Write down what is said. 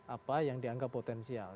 apa yang dianggap potensial